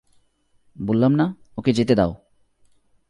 বললাম না, ওকে যেতে দাও!